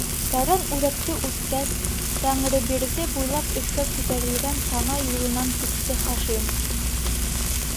Тәрән үҙәкте үткәс, Тәңребирҙе буйлап өҫкә күтәрелгән сана юлынан китте Хашим.